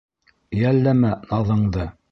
Йәлләмә наҙыңды...